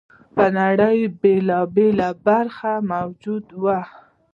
په نړۍ په بېلابېلو برخو کې موجود و